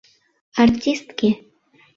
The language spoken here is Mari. Артистке!